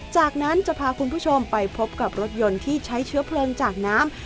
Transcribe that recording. จากนั้นจะพาคุณผู้ชมไปพบกับรถยนต์ที่ใช้เชื้อเพลิงจากน้ำ